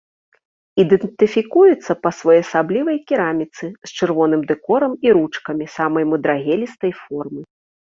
Ідэнтыфікуецца па своеасаблівай кераміцы з чырвоным дэкорам і ручкамі самай мудрагелістай формы.